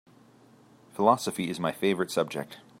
Philosophy is my favorite subject.